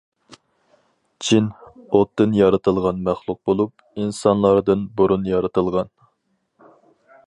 جىن: ئوتتىن يارىتىلغان مەخلۇق بولۇپ، ئىنسانلاردىن بۇرۇن يارىتىلغان.